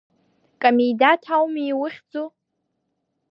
Камидаҭ ауми иухьӡу?